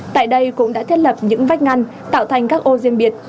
tại đây cũng đã thiết lập những vách ngăn tạo thành các ô riêng biệt